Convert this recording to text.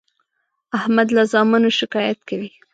احمد له زامنو شکایت کوي.